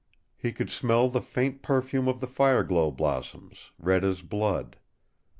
He could smell the faint perfume of the fireglow blossoms, red as blood.